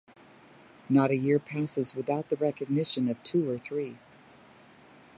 Not a year passes without the recognition of two or three.